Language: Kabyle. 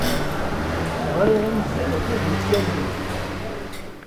Ɣriɣ i medden akken ad iyi-allen.